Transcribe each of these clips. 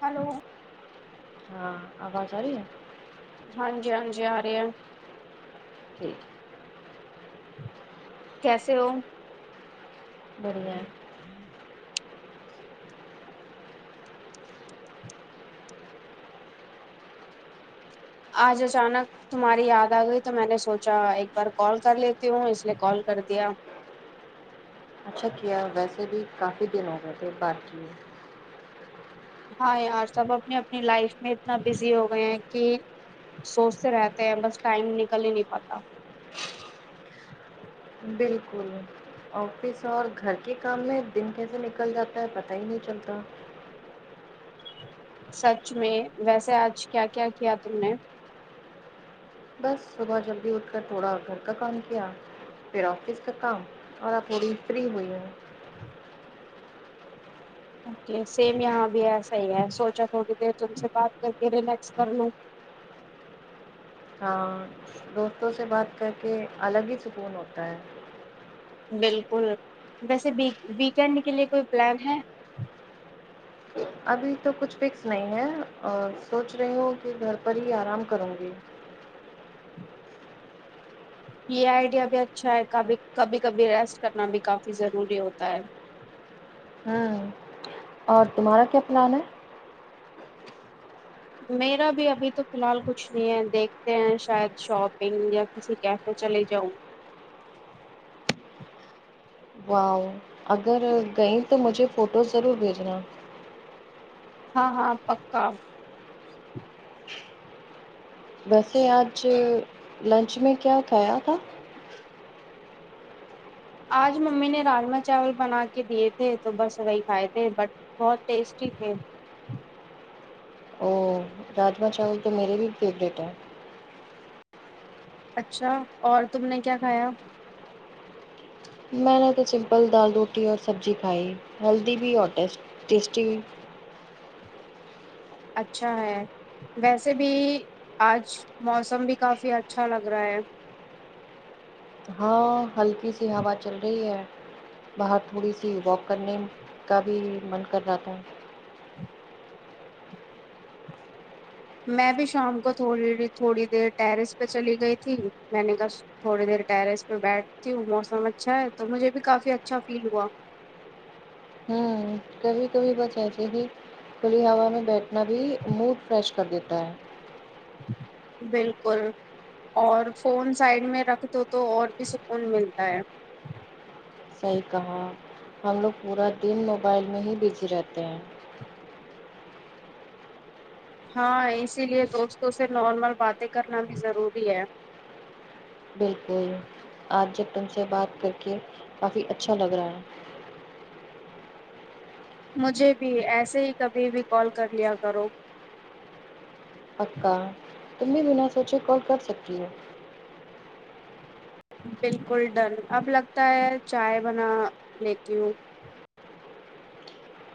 hello ہاں آواز آ رہی ہے ہاں جی ہاں جی آ رہی ہیں جی کیسے ہو بڑھیا ہے آج اچانک تمہاری یاد آ گئی تو میں نے سوچا ایک بار کال کر لیتی ہوں اس لیے کال کر دیا اچھا کیا ویسے بھی کافی دن ہو گئے تھے بات کیے ہاں یار سب اپنی اپنی لائف میں اتنا بزی ہو گیے ہیں کہ سوچتے رہتے ہیں بس ٹائم نکل ہی نہیں پاتا [inaudible] بالکل آفس اور گھر کے کام میں دن کیسے نکل جاتا ہے پتا ہی نہیں چلتا سچ میں ویسے آج کیا کیا کیا تم نے بس صبح جلدی اٹھ کر تھوڑا گھر کا کام کیا پھر آفس کا کام اور آپ تھوڑی فری ہوئی ہیں اوکے سیم یہاں بھی ایسا ہی ہے سوچا تھوڑی دیر تم سے بات کر کے ریلیکس کر لوں ہاں دوستوں سے بات کر کے الگ ہی سکون ہوتا ہے بالکل ویسے ویکینڈ کے لیے کوئی پلان ہے ابھی تو کچھ فکس نہیں ہے اور سوچ رہی ہوں کہ گھر پر ہی آرام کروں گی یہ آئیڈیا بھی اچھا ہے کبھی کبھی کبھی ریسٹ کرنا بھی کافی ضروری ہوتا ہے ہاں اور تمہارا کیا پلان ہے میرا بھی ابھی تو فی الحال کچھ نہیں ہے دیکھتے ہیں شاید شاپنگ یا ویسے کیفے چلے جاؤ واؤ اگر گئیں تو مجھے فوٹو ضرور بھیجنا ہاں ہاں پکا ویسے آج لنچ میں کیا کھایا تھا آج ممی نے راجما چاول بنا کے دیے تھے تو بس وہی کھائے تھے بٹ بہت ٹیسٹی تھے او راجما چاول تو میرے بھی فیورٹ ہیں اچھا اور تم نے کیا کھایا میں نے تو سمپل دال روٹی اور سبزی کھائی ہیلدی بھی اور ٹی ٹیسٹی بھی اچھا ہے ویسے بھی آج موسم بھی کافی اچھا لگ رہا ہے ہاں ہلکی سی ہوا چل رہی ہے باہر تھوڑی سی واک کرنے کا بھی من کر رہا تھا میں بھی شام کو تھوڑی تھوڑی دیر ٹیرس پہ چلی گئی تھی میں نے کہ تھوڑی دیر ٹیرس پہ بیٹھتی ہوں موسم اچھا ہے تو مجھے بھی کافی اچھا فیل ہوا ہوں کبھی کبھی بس ایسے بھی کھلی ہوا میں بیٹھنا بھی موڈ فریش کر دیتا ہے بالکل اور فون سائڈ میں رکھ دو تو اور بھی سکون ملتا ہے صحیح کہا ہم لوگ پورا دن موبائل میں ہی بزی رہتے ہیں ہاں اسی لیے دوستوں سے نارمل باتیں کرنا بھی ضروری ہے بالکل آج جب تم سے بات کر کے کافی اچھا لگ رہا ہے مجھے بھی ایسے ہی کبھی بھی کال کر لیا کرو پکا تم بھی بنا سوچے کال کر سکتی ہو بالکل ڈن اب لگتا ہے چائے بنا لیتی ہوں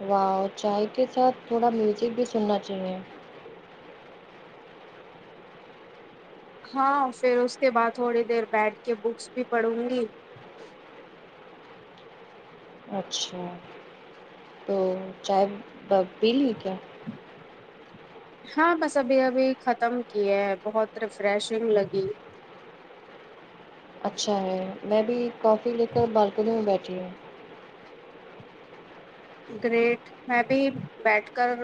واؤ چائے کے ساتھ تھوڑا میوزک بھی سننا چاہیے ہاں پھر اس کے بعد تھوڑی دیر بیٹھ کے بکس بھی پڑھوں گی اچھا تو چائے پی لی کیا ہاں بس ابھی ابھی ختم کیے ہیں بہت ریفریشنگ لگی اچھا ہے میں بھی کافی لے کر بالکنی میں بیٹھی ہوں گریٹ میں بھی بیٹھ کر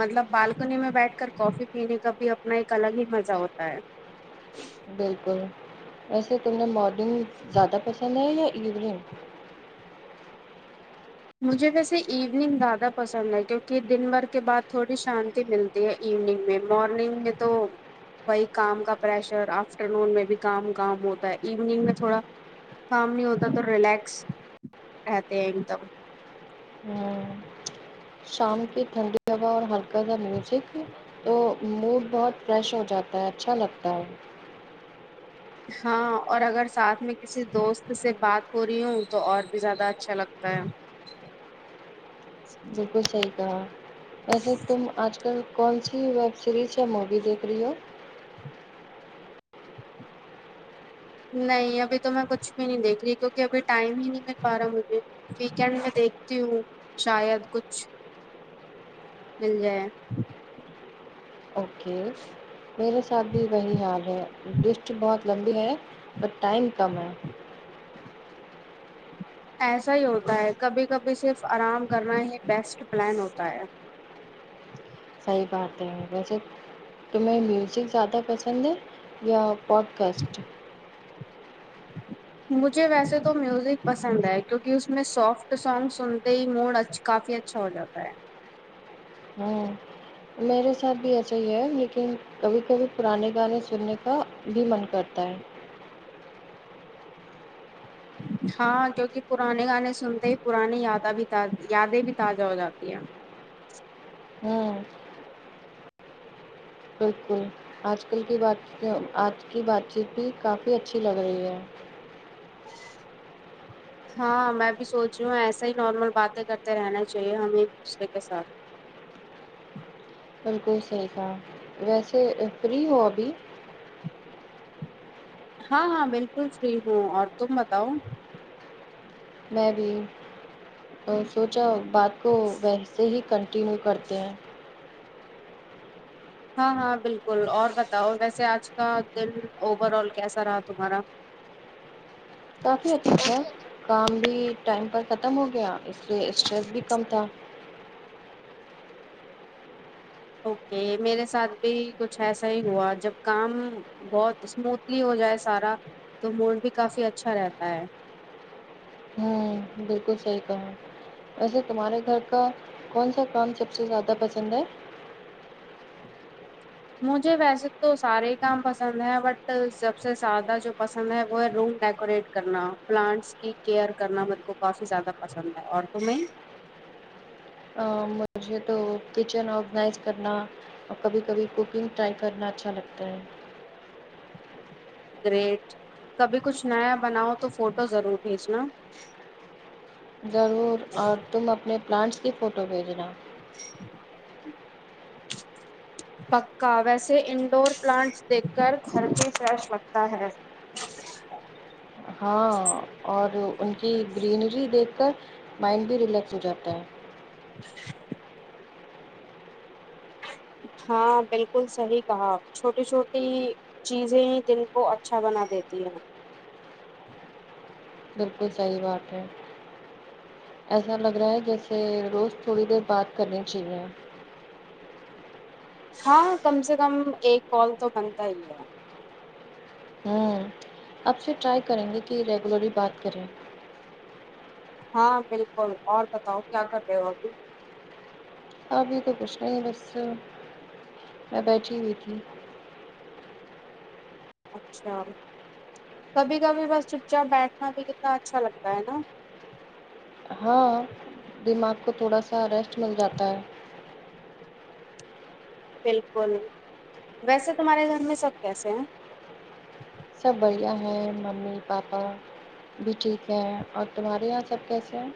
مطلب بالکنی میں بیٹھ کر کافی پینے کا بھی اپنا ایک الگ ہی مزہ ہوتا ہے بالکل ویسے تمیں مارننگ زیادہ پسند ہے یا ایوننگ مجھے ویسے ایوننگ زیادہ پسند ہے کیونکہ دن بھر کے بعد تھوڑی شانتی ملتی تی ہے ایوننگ میں مارننگ میں تو وہی کام کا پریشر آفٹر نون میں بھی کام کام ہوتا ہے ایوننگ میں تھوڑا کام نہیں ہوتا تو ریلیکس رہتے ہیں ایک دم ہاں شام کی ٹھنڈی ہوا اور ہلکا سا میوزک تو موڈ بہت فریش ہو جاتا ہے اچھا لگتا ہے ہاں اور اگر ساتھ میں کسی دوست سے بات ہو رہی ہوں تو اور بھی زیادہ اچھا لگتا ہے [inaudible] بالکل صحیح کہا ویسے تم آج کل کون سی ویب سیریز مووی دیکھ رہی ہو نہیں ابھی تو میں کچھ بھی نہیں دیکھ رہی کیونکہ ابھی ٹائم ہی نہیں مل پا رہا مجھے ویکینڈ میں دیکھتی ہوں شاید کچھ مل جائے اوکے میرے ساتھ بھی وہی حال ہے لسٹ بہت لمبی ہے پر ٹائم کم ہے ایسا ہی ہوتا ہے کبھی کبھی صرف آرام کرنا ہی بیسٹ پلان ہوتا ہے صحیح بات ہے ویسے تمہیں میوزک زیادہ پسند ہے یا پوڈکاسٹ مجھے ویسے تو میوزک پسند ہے کیونکہ اس میں سافٹ سانگ سنتے ہی موڈ اچھا کافی اچھا اچھا ہو جاتا ہے ہاں میرے ساتھ بھی ایسا ہی ہے لیکن کبھی کبھی پرانے گانے سننے کا بھی من کرتا ہے ہاں کیونکہ پرانے گانے سنتے ہی پرانی یاداں بھی یادیں بھی تازہ ہو جاتی ہیں ہوں بالکل آج کل کی بات آج کی بات چیت بھی کافی اچھی لگ رہی ہے ہاں میں بھی سوچ رہی ہوں ایسا ہی نارمل باتیں کرتے رہنا چاہیے ہمیں ایک دوسرے کے ساتھ بالکل صحیح کہا ویسے فری ہو ابھی ہاں ہاں بالکل فری ہوں اور تم بتاؤ میں بھی اور سوچا ہو بات کو ویسے ہی کنٹینیو کرتے ہیں ہاں ہاں بالکل اور بتاؤ ویسے آج کا دن اوور آل کیسا رہا تمہارا کافی اچھا تھا کام بھی ٹائم پر ختم ہو گیا اس سے اسٹریس بھی کم تھا اوکے میرے ساتھ بھی کچھ ایسا ہی ہوا جب کام بہت اسموتھلی ہو جائے سارا تو موڈ بھی کافی اچھا رہتا ہے ہوں بالکل صحی کہا ویسے تمہارے گھر کا کون سا کام سب سے زیادہ پسند ہے مجھے ویسے تو سارے ہی کام پسند ہے بٹ سب سے زیادہ جو پسند ہے وہ ہے روم ڈیکوریٹ کرنا پلانٹس کی کیئر کرنا میرے کو کافی زیادہ پسند ہے اور تو میں مجھے تو کچن آرگنائز کرنا اور کبھی کبھی کوکنگ ٹرائی کرنا اچھا لگتا ہے گریٹ کبھی کچھ نیا بناؤ تو فوٹو ضرور بھیجنا ضرور اور تم اپنے پلانٹس کی فوٹو بھیجنا [inaudible] پکا ویسے انڈور پلانٹس دیکھ کر گھر بھی فریش لگتا ہے ہاں اور ان کی گرینری دیکھ کر مائنڈ بھی ریلیکس ہو جاتا ہے [inaudible] ہاں بالکل صحیح کہا چھوٹی چھوٹی ہی چیزیں ہی دل کو اچھا بنا دیتی ہیں بالکل صحیح بات ہے ایسا لگ رہا ہے جیسے روز تھوڑی دیر بات کرنی چاہیے ہاں کم سے کم ایک کال تو بنتا ہی ہے ہوں اب سے ٹرائی کریں گے کہ ریگولرلی بات کریں ہاں بالکل اور بتاؤ کیا کر رہے ہو ابھی ابھی تو کچھ نہیں بس میں بیٹھی ہوئی تھی اچھا کبھی کبھی بس چپ چاپ بیٹھنا بھی کتنا اچھا لگتا ہے نا ہاں دماغ کو تھوڑا سا ریسٹ مل جاتا ہے بالکل ویسے تمہارے گھر میں سب کیسے ہیں سب بڑھیا ہیں ممی پاپا بھی ٹھیک ہے اور تمہارے یہاں سب کیسے ہیں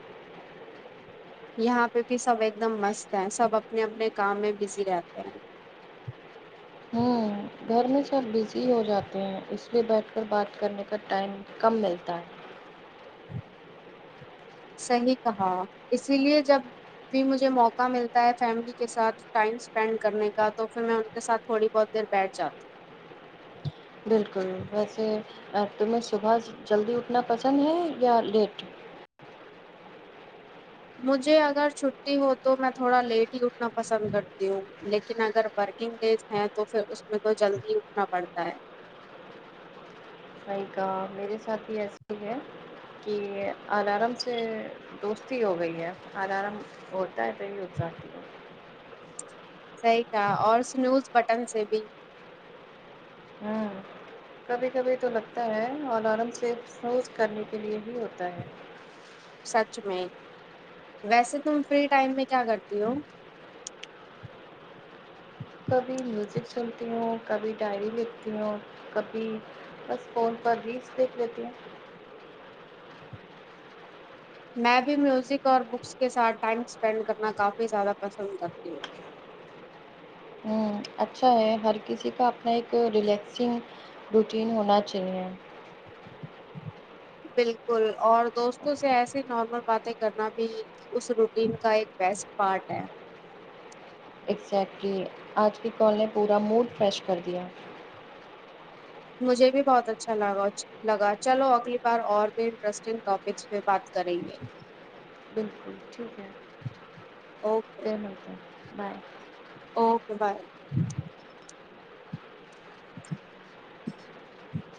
یہاں پہ بھی سب ایک دم مست ہے سب اپنے اپنے کام میں بزی رہتے ہیں ہوں گھر میں سب بزی ہو جاتے ہیں اس لیے بیٹھ کر بات کرنے کا ٹائم کم ملتا ہے صحیح کہا اسی لیے جب بھی مجھے موقع ملتا ہے فیملی کے ساتھ ٹائم اسپینڈ کرنے کا تو پھر میں ان کے ساتھ تھوڑی بہت دیر بیٹھ جاتی بالکل ویسے اب تمہیں صبح جلدی اٹھنا پسند ہے یا لیٹ مجھے اگر چھٹی ہو تو میں تھوڑا لیٹ ہی اٹھنا پسند کرتی ہوں لیکن اگر ورکنگ ڈیز ہیں تو پھر اس میں تو جلدی اٹھنا پڑتا ہے بائیک میرے ساتھ بھی ایسے ہی ہے کہ الارم سے دوستی ہو گئی ہے الارم ہوتا ہے صحیح ہوتا صحیح کہا اور سنوز بٹن سے بھی ہوں کبھی کبھی تو لگتا ہے اور آرام سے موز کرنے کے لیے ہی ہوتا ہے سچ میں ویسے تم فری ٹائم میں کیا کرتی ہو کبھی میوزک سنتی ہوں کبھی ڈائری لکھتی ہوں کبھی بس فون پر ریلس دیکھ لیتی ہوں میں بھی میوزک اور بکس کے ساتھ ٹائم اسپینڈ کرنا کافی زیادہ پسند کرتی ہوں ہوں اچھا ہے ہر کسی کا اپنا ایک ریلیکسنگ روٹین ہونا چاہیے بالکل اور دوستوں سے ایسی نارمل باتیں کرنا بھی اس روٹین کا ایک بیسٹ پارٹ ہے اگزیکٹلی آج کی کال نے پورا موڈ فریش کر دیا مجھے بھی بہت اچھا لگا لگا چلو اگلی بار اور بھی انٹرسٹنگ ٹاپ کس پے بات کریں گے بالکل ٹھیک ہے اوکے پھر ملتے ہیں بائے اوکے بائے